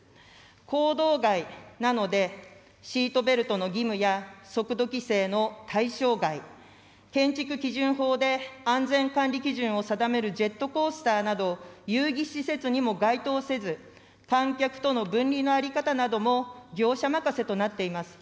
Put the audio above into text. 公道外なので、シートベルトの義務や速度規制の対象外、建築基準法で安全管理基準を定めるジェットコースターなど、遊戯施設にも該当せず、観客との分離の在り方なども、業者任せとなっています。